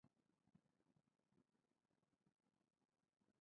She currently has two albums.